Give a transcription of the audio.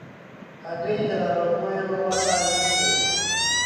هګۍ د ناروغیو مخه نیسي.